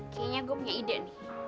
kayaknya gue punya ide nih